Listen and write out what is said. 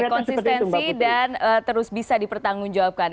konsistensi dan terus bisa dipertanggung jawabkan